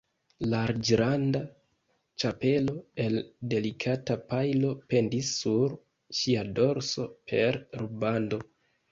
Larĝranda ĉapelo el delikata pajlo pendis sur ŝia dorso per rubando.